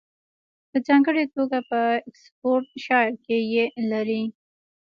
په ځانګړې توګه په اکسفورډشایر کې یې لرلې